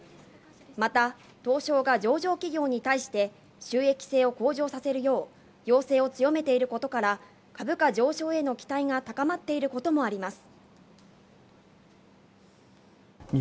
また東証が上場企業に対して収益性を向上させるよう要請を強めていることから、株価上昇への期待が高まっていることもあります。